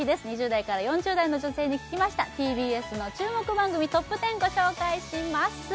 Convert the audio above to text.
２０代から４０代の女性に聞きましたＴＢＳの注目番組トップ１０ご紹介します